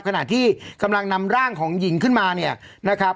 ขณะที่กำลังนำร่างของหญิงขึ้นมาเนี่ยนะครับ